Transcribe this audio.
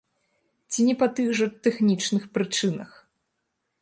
Ці не па тых жа тэхнічных прычынах?